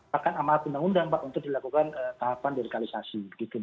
bahkan amat menanggung dampak untuk dilakukan tahapan radikalisasi